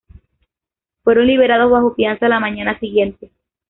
Fueron liberados bajo fianza la mañana siguiente.